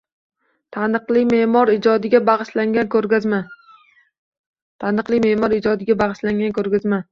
Taniqli me’mor ijodiga bag‘ishlangan ko‘rgazma